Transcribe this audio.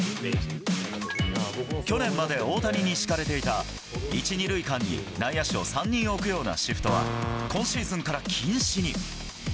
去年まで大谷に敷かれていた、１、２塁間に内野手を３人置くようなシフトは、今シーズンから禁止に。